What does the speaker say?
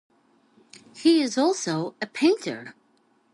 He is also a painter.